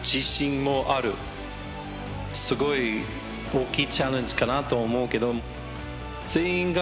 すごい大きいチャレンジかなと思うけど。